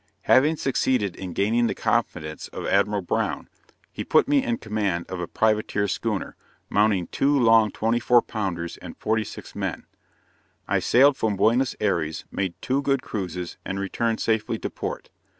Having succeeded in gaining the confidence of Admiral Brown, he put me in command of a privateer schooner, mounting two long 24 pounders and 46 men. I sailed from Buenos Ayres, made two good cruises, and returned safely to port.